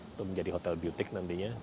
untuk menjadi hotel beautyik nantinya